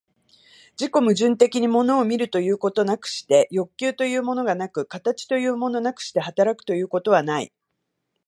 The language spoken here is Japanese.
自己矛盾的に物を見るということなくして欲求というものがなく、形というものなくして働くということはない。